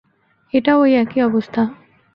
এটাও ঐ একই অবস্থা।